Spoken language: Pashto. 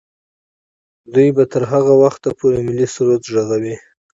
دوی به تر هغه وخته پورې ملي سرود ږغوي.